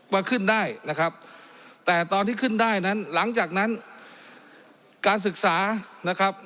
ว่าขึ้นได้นะครับแต่ตอนที่ขึ้นได้นั้นหลังจากนั้นการศึกษานะครับ